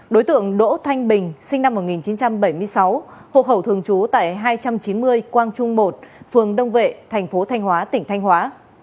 đối tượng đỗ thanh bình sinh năm một nghìn chín trăm bảy mươi sáu hộ khẩu thường trú tại hai trăm chín mươi quang trung một phường đông vệ thành phố thanh hóa tỉnh thanh hóa